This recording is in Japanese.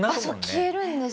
そう消えるんです。